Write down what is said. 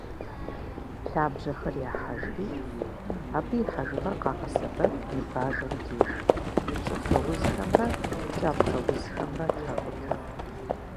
Лъабжьэхэр яхьэжри, абы и хьэжыгъэр къагъэсэбэп ныбажэм деж, щӏыфэ узхэмрэ кӏапцӏэузхэмрэ тракӏутэ.